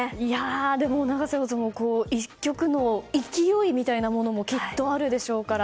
でも、永瀬王座も１局の勢いみたいなものもきっとあるでしょうから。